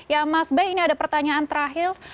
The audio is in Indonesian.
ya mas bey ini ada pertanyaan terakhir